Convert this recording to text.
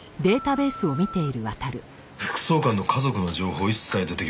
副総監の家族の情報一切出てきませんね。